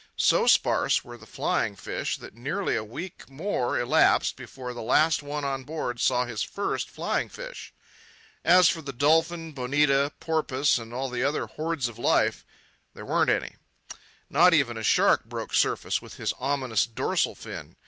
So sparse were the flying fish that nearly a week more elapsed before the last one on board saw his first flying fish. As for the dolphin, bonita, porpoise, and all the other hordes of life—there weren't any. Not even a shark broke surface with his ominous dorsal fin.